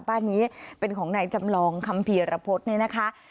บ้านนี้เป็นของนายจำลองคัมภีรพฤษเนี่ยนะคะ